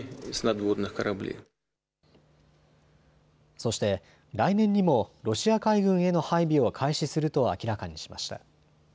そして、来年にもロシア海軍への配備を開始すると明らかにしました。